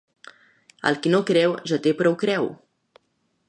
El qui no creu, ja té prou creu.